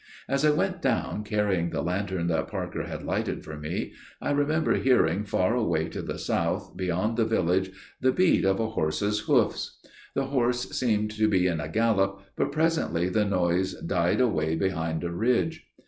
As I went down carrying the lantern that Parker had lighted for me, I remember hearing far away to the south, beyond the village, the beat of a horse's hoofs. The horse seemed to be in a gallop, but presently the noise died away behind a ridge.